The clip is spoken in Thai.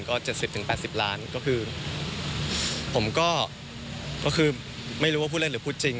ก็เจ็ดสิบถึงแปดสิบล้านก็คือผมก็ก็คือไม่รู้ว่าพูดเลยหรือพูดจริง